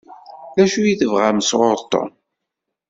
D acu i tebɣam sɣur Tom?